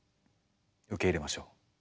受け入れましょう。